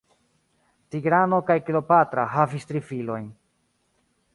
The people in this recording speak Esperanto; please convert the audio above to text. Tigrano kaj Kleopatra havis tri filojn.